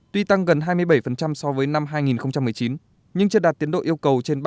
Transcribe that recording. tuy tăng gần hai mươi bảy so với năm hai nghìn một mươi chín nhưng chưa đạt tiến độ yêu cầu trên ba mươi